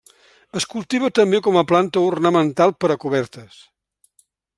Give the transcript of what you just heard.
Es cultiva també com a planta ornamental per a cobertes.